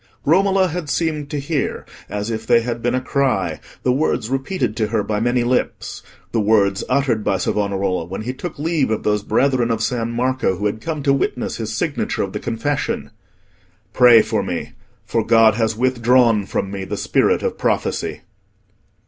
Romola had seemed to hear, as if they had been a cry, the words repeated to her by many lips—the words uttered by Savonarola when he took leave of those brethren of San Marco who had come to witness his signature of the confession: "Pray for me, for God has withdrawn from me the spirit of prophecy."